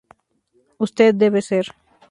Usted debe ser".